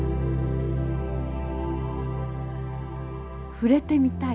触れてみたい。